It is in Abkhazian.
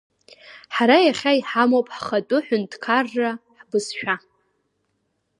Ҳара иахьа иҳамоуп ҳхатәы ҳәынҭқарра, ҳбызшәа.